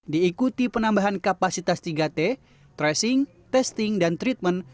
diikuti penambahan kapasitas tiga t tracing testing dan treatment